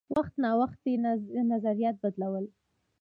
وخت نا وخت یې نظریات بدلول.